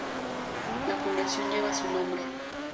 Una fundación lleva su nombre.